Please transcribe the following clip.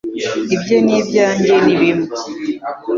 ibye n'ibyanjye ni bimwe